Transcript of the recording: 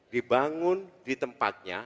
dibangun di tempatnya